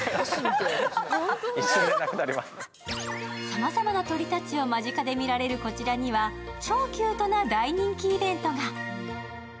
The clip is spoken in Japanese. さまざまな鳥たちを間近で見られるこちらには超キュートな大人気イベントが。